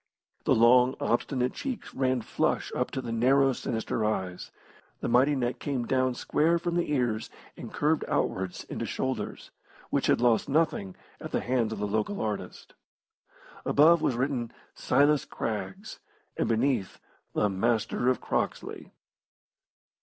The long, obstinate cheeks ran flush up to the narrow, sinister eyes. The mighty neck came down square from the ears and curved outwards into shoulders, which had lost nothing at the hands of the local artist. Above was written "Silas Craggs," and beneath, "The Master of Croxley."